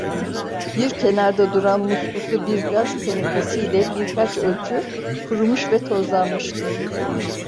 Bir kenarda duran musluklu bir gaz tenekesiyle birkaç ölçü, kurumuş ve tozlanmıştı.